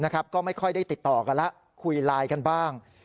ก็ไม่ค่อยได้ติดต่อกันแล้วคุยไลน์กันบ้าง